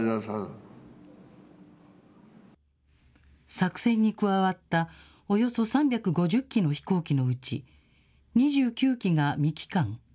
作戦に加わったおよそ３５０機の飛行機のうち、２９機が未帰還。